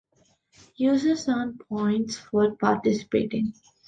Users earn points for participating.